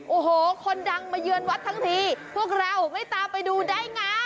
โอ้โหคนดังมาเยือนวัดทั้งทีพวกเราไม่ตามไปดูได้ไง